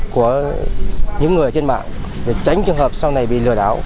của những người trên mạng để tránh trường hợp sau này bị lừa đảo